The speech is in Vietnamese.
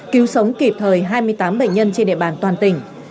cứu sống kịp thời hai mươi tám bệnh nhân trên địa bàn toàn tỉnh